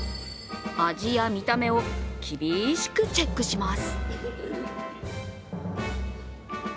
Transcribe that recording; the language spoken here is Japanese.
味や見た目を厳しくチェックします。